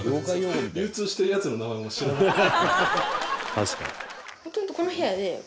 確かに。